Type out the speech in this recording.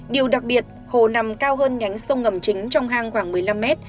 điều đặc biệt hồ nằm cao hơn nhánh sông ngầm chính trong hang khoảng một mươi năm mét